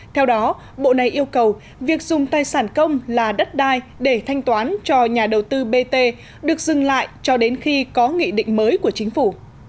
theo đó bộ này yêu cầu việc dùng tài sản công là đất đai để thanh toán cho nhà đầu tư bt được dừng lại cho đến khi có nghị định mới của chính phủ